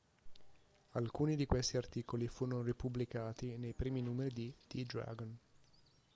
Alcuni di questi articoli furono ripubblicati nei primi numeri di "The Dragon".